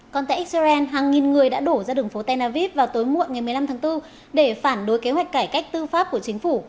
còn tại israel hàng nghìn người đã đổ ra đường phố tel aviv vào tối muộn ngày một mươi năm tháng bốn để phản đối kế hoạch cải cách tư pháp của chính phủ